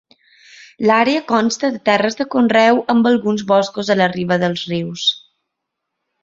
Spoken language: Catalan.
L'àrea consta de terres de conreu amb alguns boscos a la riba dels rius.